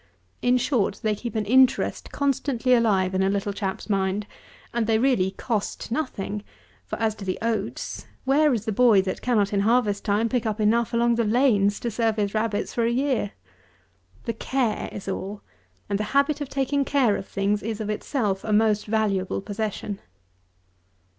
In short, they keep an interest constantly alive in a little chap's mind; and they really cost nothing; for as to the oats, where is the boy that cannot, in harvest time, pick up enough along the lanes to serve his rabbits for a year? The care is all; and the habit of taking care of things is, of itself, a most valuable possession.